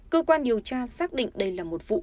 cơ quan điều tra xác định đây là một vụ